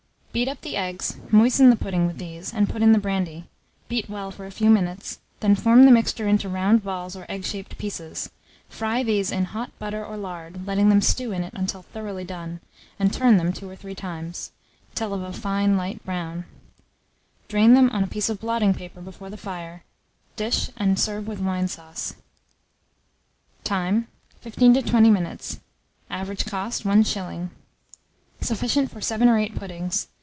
Beat up the eggs, moisten the pudding with these, and put in the brandy; beat well for a few minutes, then form the mixture into round balls or egg shaped pieces; fry these in hot butter or lard, letting them stew in it until thoroughly done, and turn them two or three times, till of a fine light brown; drain them on a piece of blotting paper before the fire; dish, and serve with wine sauce. Time. 15 to 20 minutes. Average cost, 1s. Sufficient for 7 or 8 puddings.